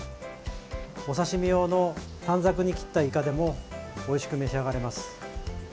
お刺身用の短冊に切ったイカでもおいしく召し上がれます。